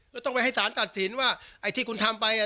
แล้วต้องไปให้สารตัดสินว่าไอ้ที่คุณทำไป